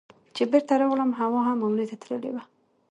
چې بېرته راغلم حوا هم عمرې ته تللې وه.